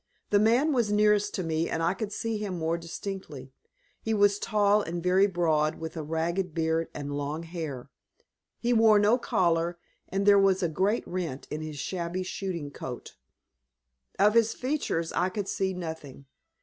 The man was nearest to me, and I could see him more distinctly. He was tall and very broad, with a ragged beard and long hair. He wore no collar, and there was a great rent in his shabby shooting coat. Of his features I could see nothing.